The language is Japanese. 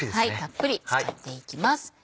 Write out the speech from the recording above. たっぷり使っていきます。